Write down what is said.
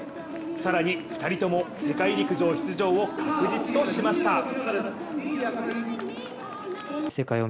更に２人とも世界陸上出場を確実としました。